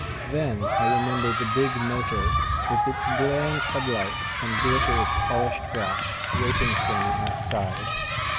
Then I remember the big motor, with its glaring head lights and glitter of polished brass, waiting for me outside.